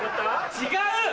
違う！